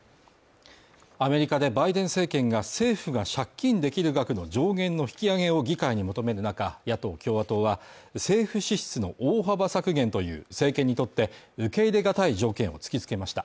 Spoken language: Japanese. アメリカでバイデン政権が政府が借金できる額の上限の引き上げを議会に求める中、野党共和党は政府支出の大幅削減という政権にとって受け入れがたい条件を突きつけました。